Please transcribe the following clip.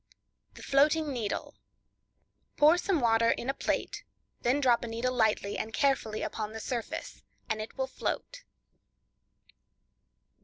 The Floating Needle.—Pour some water in a plate; then drop a needle lightly and carefully upon the surface and it will float.